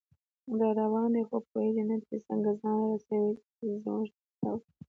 راروان دی خو پوهیږي نه چې څنګه، ځان راورسوي دی زمونږ تر خاورې